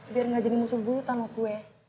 biar gak jadi musuh bulutan maksud gue